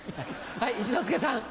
はい一之輔さん。